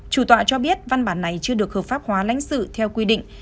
chủ tọa cho biết văn bản này chưa được hợp pháp hóa lãnh sự theo quy định